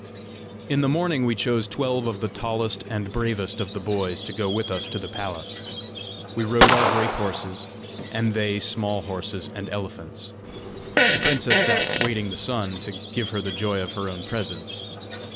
In the morning we chose twelve of the tallest and bravest of the boys to go with us to the palace. We rode our great horses, and they small horses and elephants. The princess sat waiting the sun to give her the joy of her own presence.